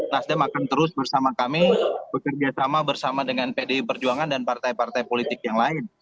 nasdem akan terus bersama kami bekerja sama bersama dengan pdi perjuangan dan partai partai politik yang lain